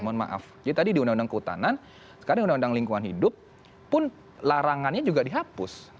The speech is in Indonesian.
jadi tadi di undang undang kehutanan sekarang di undang undang lingkungan hidup pun larangannya juga dihapus